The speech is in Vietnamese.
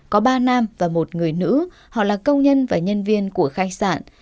có ba nam và một người nữ họ là công nhân và nhân viên của khách sạn